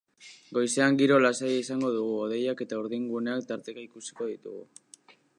Goizean giro lasaia izango dugu, hodeiak eta urdin-guneak tarteka ikusiko ditugu.